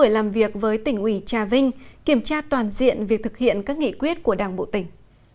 làm việc với tỉnh ủy trà vinh kiểm tra toàn diện việc thực hiện các nghị quyết của đảng bộ tỉnh